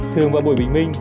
thường vào buổi bình minh